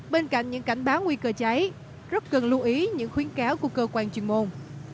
bên cạnh những cảnh báo nguy cơ cháy rất cần lưu ý những khuyến cáo của cơ quan chuyên môn